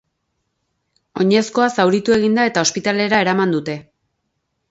Oinezkoa zauritu egin da, eta ospitalera eraman dute.